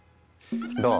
どう？